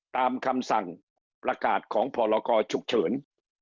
ตามคำสั่งประกาศของพรกรฉุกเฉิน